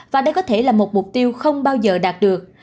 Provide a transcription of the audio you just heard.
và đây có thể là một mục tiêu không bao giờ đạt được